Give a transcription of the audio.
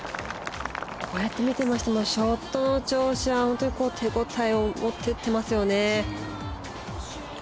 こうやって見ていますとショットの調子は手応え持ってやっていますよね。